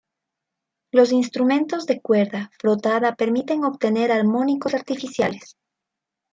Los instrumentos de cuerda frotada permiten obtener armónicos artificiales.